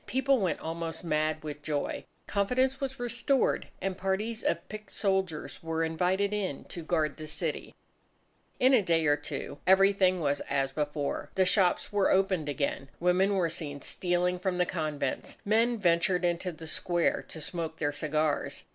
People went almost mad with joy. Confidence was restored; and parties of picked soldiers were invited in to guard the city. In a day or two everything was as before. The shops were opened again. Women were seen stealing from the convents. Men ventured into the square to smoke their cigars.